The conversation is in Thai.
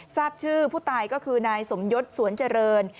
ทราบชื่อผู้ตายก็คือนายสมยศสวนเจริญ